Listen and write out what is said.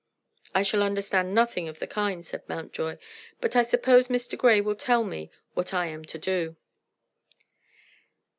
"I shall understand nothing of the kind," said Mountjoy "but I suppose Mr. Grey will tell me what I am to do."